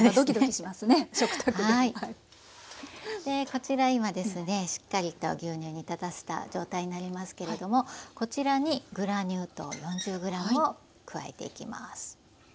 こちら今ですねしっかりと牛乳煮立たせた状態になりますけれどもこちらにグラニュー糖４０ｇを加えていきます。